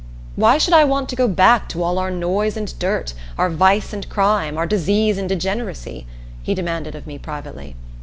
"Why should I want to go back to all our noise and dirt, our vice and crime, our disease and degeneracy?" he demanded of me privately.